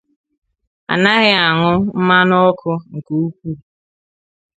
anaghị añụ mmanụ ọkụ nke ukwuu